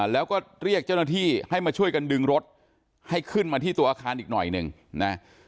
แล้วก็เรียกเจ้าหน้าที่ให้มาช่วยกันดึงรถให้ขึ้นมาที่ตัวอาคารอีกหน่อยหนึ่งนะ